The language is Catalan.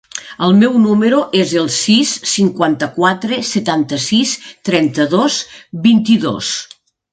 El meu número es el sis, cinquanta-quatre, setanta-sis, trenta-dos, vint-i-dos.